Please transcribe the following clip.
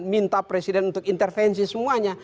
minta presiden untuk intervensi semuanya